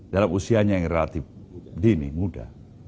dalam usianya yang relatif dini muda